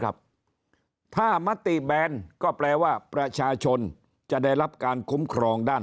ครับถ้ามติแบนก็แปลว่าประชาชนจะได้รับการคุ้มครองด้าน